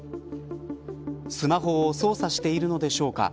スマホを操作しているのでしょうか。